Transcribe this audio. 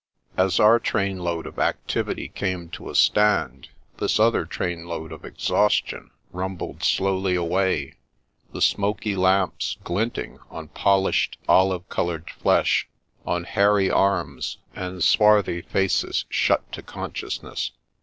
As our train load of Activity came to a stand, this other train load of Exhaustion rumbled slowly away, the smoky lamps glinting on polished, olive coloured flesh, on hairy arms, and swarthy faces shut to consciousness.